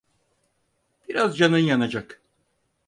Biraz canın yanacak.